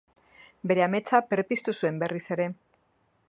Bere ametsa berpiztu zuen berriz ere.